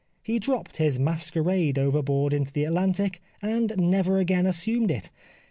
He dropped his masquerade over board into the Atlantic and never again assumed it.